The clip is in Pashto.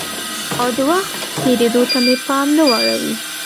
او د وخت تېرېدو ته مې پام نه وراوړي؟